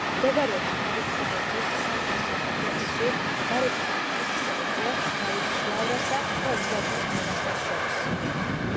მდებარეობს დავითგარეჯის სამონასტრო კომპლექსში, გარეჯის მთის სერზე, დავითის ლავრასა და უდაბნოს მონასტერს შორის.